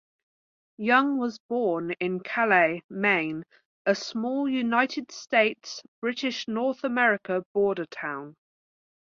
Young was born in Calais, Maine, a small United States-British North America border town.